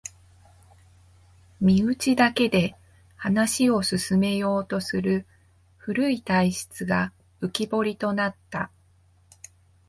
身内だけで話を進めようとする古い体質が浮きぼりとなった